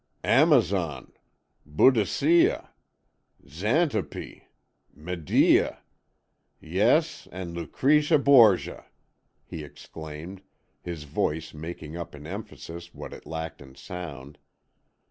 "Amazon! Boadicea! Xantippe! Medea!—yes, and Lucrezia Borgia!" he exclaimed, his voice making up in emphasis what it lacked in sound.